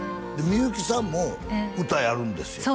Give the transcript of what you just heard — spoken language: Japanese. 美由紀さんも歌やるんですよ